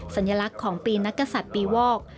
สัญลักษณ์ของปีนักกษัตริย์ปีวอก